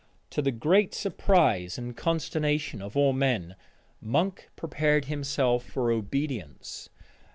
To the great surprise and consternation of all men, Monk prepared himself for obedience.